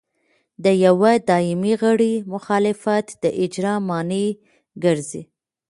د یوه دایمي غړي مخالفت د اجرا مانع ګرځي.